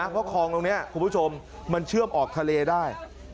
เพราะคลองตรงนี้คุณผู้ชมมันเชื่อมออกทะเลได้